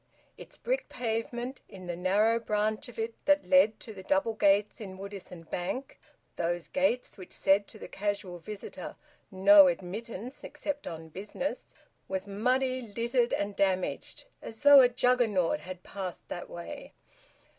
Its brick pavement, in the narrow branch of it that led to the double gates in Woodisun Bank (those gates which said to the casual visitor, `No Admittance except on Business'), was muddy, littered, and damaged, as though a Juggernaut had passed that way.